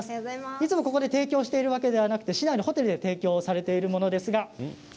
いつもここで提供しているわけではなくて市内のホテルで提供されているものです。